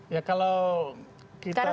ya kalau kita dalam